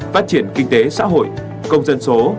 phát triển kinh tế xã hội công dân số